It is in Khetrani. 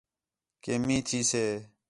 کہ مینہ تھی سے